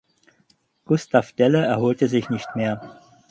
Gustav Delle erholte sich nicht mehr.